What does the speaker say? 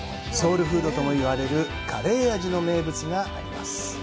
ソウルフードともいわれるカレー味の名物があります。